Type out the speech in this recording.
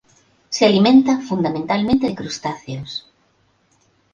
Se alimenta fundamentalmente de crustáceos.